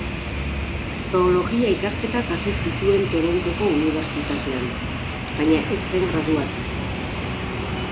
Zoologia ikasketak hasi zituen Torontoko Unibertsitatean, baina ez zen graduatu.